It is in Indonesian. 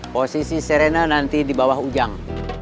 posisi serena nanti dibawah ujang